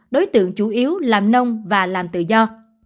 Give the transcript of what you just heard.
đối tượng chủ yếu làm nông và làm tự do